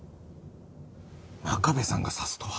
真壁さんが刺すとは。